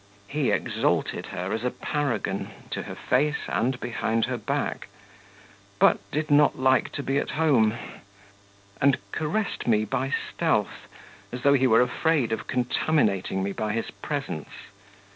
He exalted her as a paragon to her face and behind her back, but did not like to be at home, and caressed me by stealth, as though he were afraid of contaminating me by his presence.